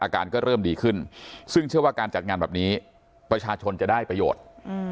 อาการก็เริ่มดีขึ้นซึ่งเชื่อว่าการจัดงานแบบนี้ประชาชนจะได้ประโยชน์